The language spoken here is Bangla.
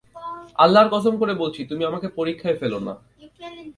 আল্লাহর কসম করে বলছি, তুমি আমাকে পরীক্ষায় ফেলো না।